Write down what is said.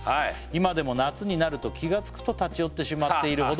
「今でも夏になると気がつくと立ち寄ってしまっているほど」